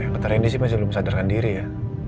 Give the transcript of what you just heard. kata reni sih masih belum sadarkan diri ya